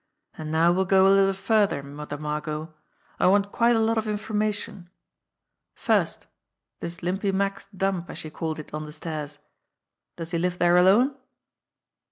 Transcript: "And now we'll go a little further, Mother Margot. I want quite a lot of in formation. First, this Limpy Mack's dump, as you called it on the stairs. Does he live there alone?"